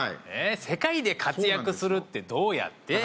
世界で活躍するってどうやって？